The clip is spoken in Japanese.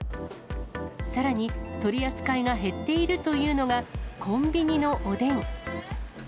さらに、取り扱いが減っているというのがコンビニのおでん。